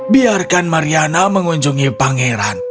biarkan mariana mengunjungi pangeran